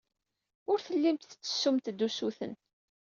Ur tellimt tettessumt-d usuten.